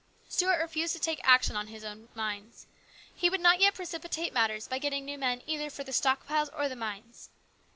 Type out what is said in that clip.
Stuart refused to take action on his own mines. He would not yet precipitate matters by getting new men either for the stock piles or the mines.